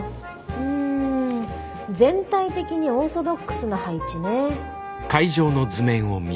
うん全体的にオーソドックスな配置ね。